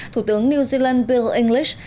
thủ tướng new zealand bill english